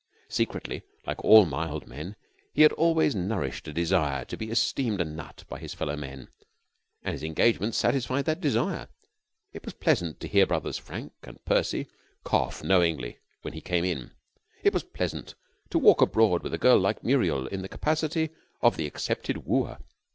Secretly, like all mild men, he had always nourished a desire to be esteemed a nut by his fellow men; and his engagement satisfied that desire. It was pleasant to hear Brothers Frank and Percy cough knowingly when he came in. It was pleasant to walk abroad with a girl like Muriel in the capacity of the accepted wooer.